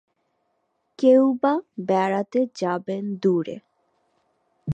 কেউবা বেড়াতে যাবেন দূরে।